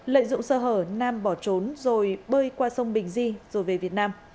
lợi dụng sơ hở nam bỏ trốn rồi bơi qua sông bình di rồi về việt nam